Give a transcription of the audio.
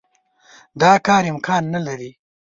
دا کار امکان نه لري.